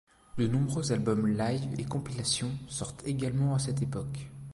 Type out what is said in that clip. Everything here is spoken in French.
De nombreux albums live et compilations sortent également à cette époque.